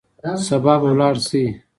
سبا به ولاړ سئ.